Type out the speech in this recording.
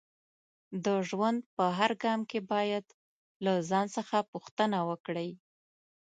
د ژوند په هر ګام کې باید له ځان څخه پوښتنه وکړئ